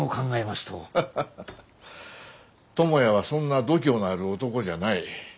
ハハハ友也はそんな度胸のある男じゃない。